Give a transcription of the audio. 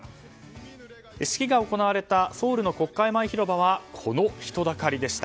式が行われたソウルの国会前広場はこの人だかり。